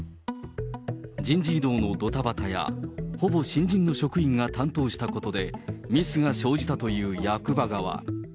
人事異動のどたばたや、ほぼ新人の職員が担当したことで、ミスが生じたという役場側。